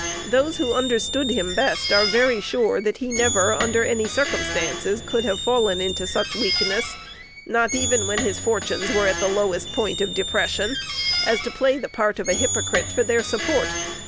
Those who understood him best are very sure that he never, under any circumstances, could have fallen into such weakness not even when his fortunes were at the lowest point of depression as to play the part of a hypocrite for their support.